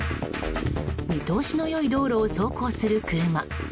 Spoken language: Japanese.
見通しの良い道路を走行する車。